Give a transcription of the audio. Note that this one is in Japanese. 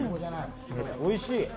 おいしい。